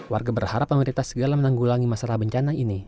warga berharap pemerintah segala menanggulangi masalah bencana ini